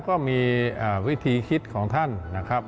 ก็มีวิธีคิดของท่านนะครับ